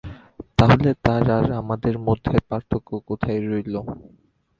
তাহলে তার আর আমাদের মধ্যে পার্থক্য কোথায় রইলো?